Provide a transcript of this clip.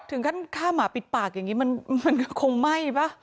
ถึงขั้นฆ่าหมาปิดปากอย่างนี้มันคงไหม้ป่ะ